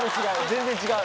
全然違う。